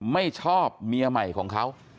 ไม่ชอบเมียใหม่ของเขา